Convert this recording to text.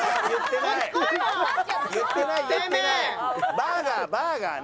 バーガーバーガーね。